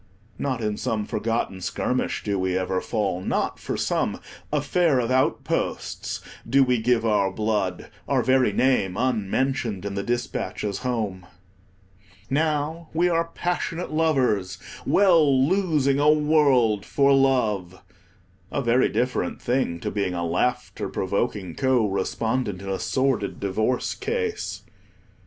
Not in some forgotten skirmish do we ever fall; not for some "affair of outposts" do we give our blood, our very name unmentioned in the dispatches home. Now we are passionate lovers, well losing a world for love—a very different thing to being a laughter provoking co respondent in a sordid divorce case.